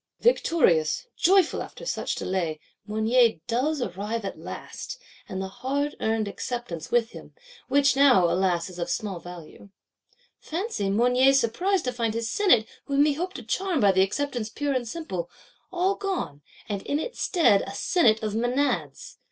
Victorious, joyful after such delay, Mounier does arrive at last, and the hard earned Acceptance with him; which now, alas, is of small value. Fancy Mounier's surprise to find his Senate, whom he hoped to charm by the Acceptance pure and simple,—all gone; and in its stead a Senate of Menads!